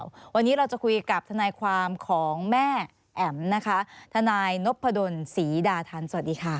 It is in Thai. วันนี้เราจะคุยกับทนายความของแม่แอ๋มนะคะทนายนพดลศรีดาทันสวัสดีค่ะ